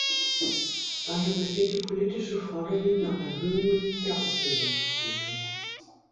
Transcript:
Daher besteht die politische Forderung nach Erhöhungen der Ausbildungsquote.